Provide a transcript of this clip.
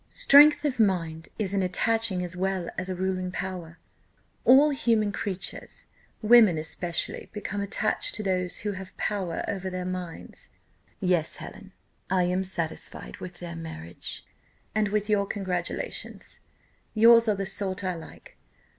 Strength of mind is an attaching as well as a ruling power: all human creatures, women especially, become attached to those who have power over their minds. Yes, Helen, I am satisfied with their marriage, and with your congratulations: yours are the sort I like.